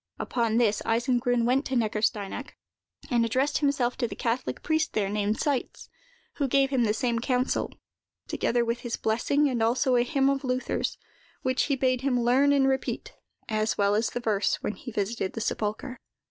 Upon this, Eisengrun went to Neckarsteinach, and addressed himself to the catholic priest there, named Seitz, who gave him the same counsel, together with his blessing and also a hymn of Luther's, which he bade him learn and repeat, as well as the verse, when he visited the sepulchre.